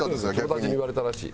友達に言われたらしい。